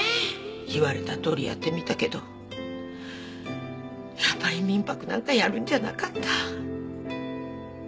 言われたとおりやってみたけどやっぱり民泊なんかやるんじゃなかった。